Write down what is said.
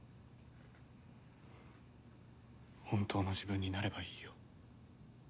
本当の自分になればいいよ。